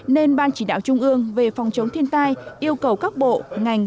nên ban chỉ đạo trung ương về phòng chống thiên tai yêu cầu các bộ ngành